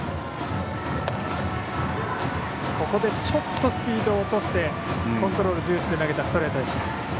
ここでちょっとスピードを落としてコントロール重視で投げたストレートでした。